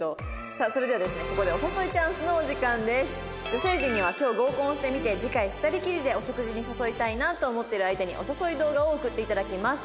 女性陣には今日合コンをしてみて次回２人きりでお食事に誘いたいなと思っている相手にお誘い動画を送って頂きます。